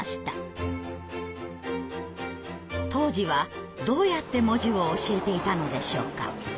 当時はどうやって文字を教えていたのでしょうか？